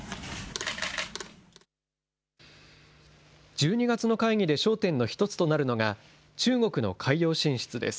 １２月の会議で焦点の一つとなるのが中国の海洋進出です。